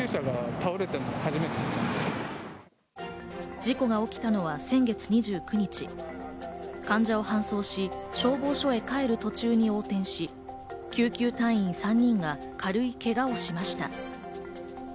事故が起きたのは先月２９日、患者を搬送し、消防署へ帰る途中に横転し、救急隊員３人が軽いけがをしました。